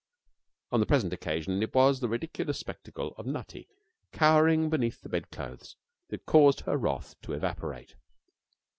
On the present occasion it was the ridiculous spectacle of Nutty cowering beneath the bedclothes that caused her wrath to evaporate.